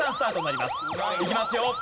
いきますよ。